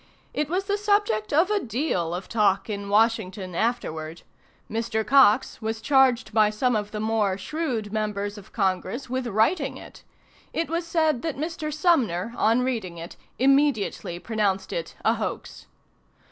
It was the subject of a deal of talk in Washington afterward. Mr. Cox was charged by some of the more shrewd members of Congress with writing it. It was said that Mr. Sumner, on reading it, immediately pronounced it a hoax.